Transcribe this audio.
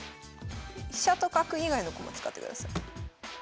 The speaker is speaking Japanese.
飛車と角以外の駒使ってください。